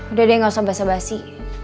udah deh gak usah basa basi